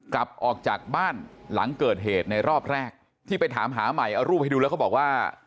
กลับออกจากบ้านหลังเกิดเหตุในรอบแรกที่ไปถามหาใหม่เอารูปให้ดูแล้วเขาบอกว่า